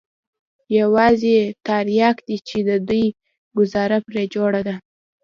يوازې ترياک دي چې د دوى گوزاره پرې جوړه ده.